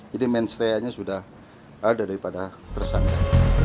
jadi mensreanya sudah ada daripada tersangka